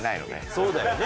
そうだよね。